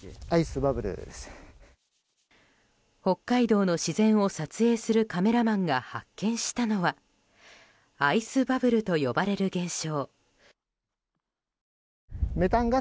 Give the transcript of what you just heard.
北海道の自然を撮影するカメラマンが発見したのはアイスバブルと呼ばれる現象。